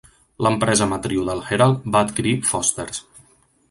L'empresa matriu del Herald va adquirir Foster's.